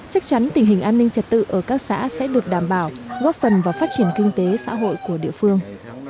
chắc chắn tình hình an ninh trật tự ở các xã sẽ được đảm bảo góp phần vào phát triển kinh tế xã hội của địa phương